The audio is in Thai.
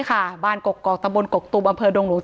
ถ้าใครอยากรู้ว่าลุงพลมีโปรแกรมทำอะไรที่ไหนยังไง